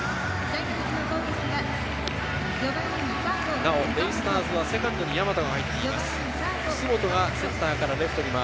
なおベイスターズはセカンドに大和が入っています。